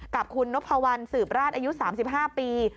กับคุณนพวัลสืบราชอายุ๓๕ปี